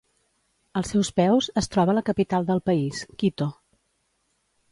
Als seus peus es troba la capital del país, Quito.